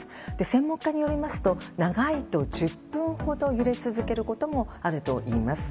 専門家によりますと長いと１０分ほど揺れ続けることもあるといいます。